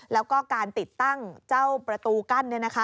แล้วก็การติดตั้งเจ้าประตูกั้น